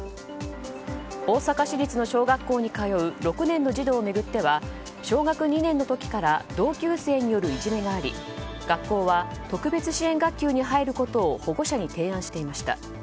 大阪市立の小学校に通う６年の児童を巡っては小学２年の時から同級生によるいじめがあり学校は特別支援学級に入ることを保護者に提案していました。